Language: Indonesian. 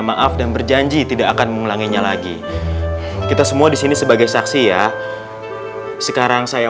maaf dan berjanji tidak akan mengulanginya lagi kita semua disini sebagai saksi ya sekarang saya